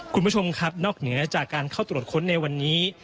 คุณผู้ชมครับนอกเหนือจากการเข้าตรวจค้นในวันนี้